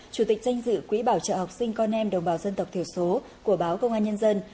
chủ tịch danh dự quỹ bảo trợ học sinh con em đồng bào dân tộc thiểu số của báo công an nhân dân